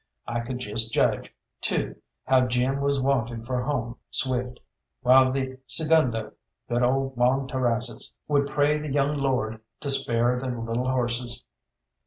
I could just judge, too, how Jim was wanting for home swift, while the segundo, good old Juan Terrazas, would pray the young lord to spare the little horses.